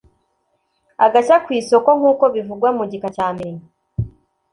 agashya ku isoko nk’uko bivugwa mu gika cya mbere